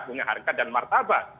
punya harkat dan martabat